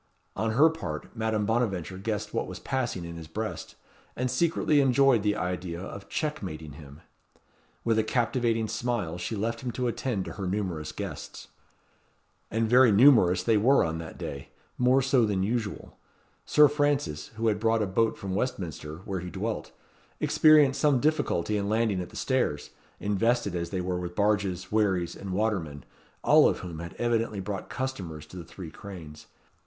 On her part, Madame Bonaventure guessed what was passing in his breast, and secretly enjoyed the idea of checkmating him. With a captivating smile she left him to attend to her numerous guests. And very numerous they were on that day. More so than usual. Sir Francis, who had brought a boat from Westminster, where he dwelt, experienced some difficulty in landing at the stairs, invested as they were with barges, wherries and watermen, all of whom had evidently brought customers to the Three Cranes.